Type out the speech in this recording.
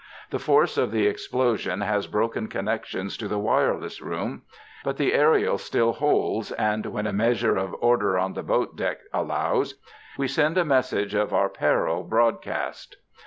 The force of the explosion has broken connections to the wireless room, but the aerial still holds and, when a measure of order on the boatdeck allows, we send a message of our peril broadcast.